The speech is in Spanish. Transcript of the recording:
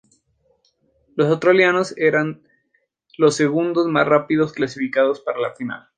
Los australianos eran los segundos más rápidos clasificados para la final.